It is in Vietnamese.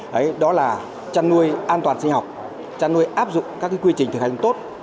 đấy đó là cha nuôi an toàn sinh học cha nuôi áp dụng các quy trình thượng hành tốt